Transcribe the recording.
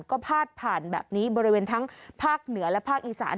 ก็พาดผ่านแบบนี้บริเวณทั้งภาคเหนือและภาคอีสาน